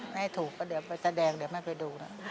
ให้ถูกก็เดี๋ยวไปแสดงเดี๋ยวแม่ไปดูนะ